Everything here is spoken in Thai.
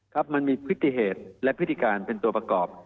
ครับมันมีพฤติเหตุและพฤติการเป็นตัวประกอบ